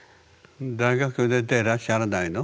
大学出てらっしゃらないの？